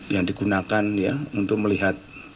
yang digunakan ya untuk melihat